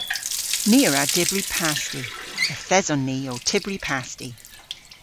Ni a wra dybri pasti. Yth eson ni ow tybri pasti.